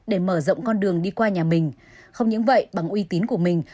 để mở rộng con đường đi qua nhà mình không những vậy bằng uy tín của mình